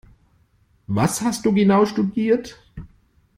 Was hast du genau studiert?